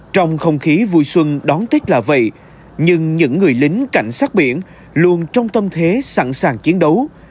trong không khí vui xuân đón tết là vậy nhưng những người lính cảnh sát biển luôn trong tâm thế sẵn sàng chiến đấu